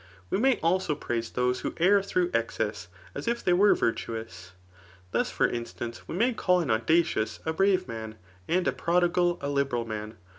We may also praise those wbo err through excess* as if they were virtuous. Thus, for instance, we may. call, an audacious, a brave man ; and a prodigal, a liberal man.